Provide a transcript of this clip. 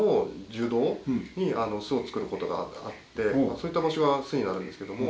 そういった場所が巣になるんですけども。